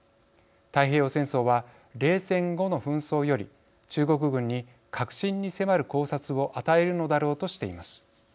太平洋戦争は、冷戦後の紛争より中国軍に核心に迫る考察を与えるのだろうとしています。